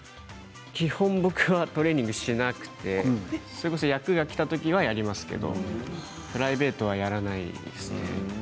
基本、僕はトレーニングはしなくて役がきた時はやりますけどプライベートはやりませんね。